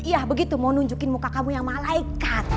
iya begitu mau nunjukin muka kamu yang malaikat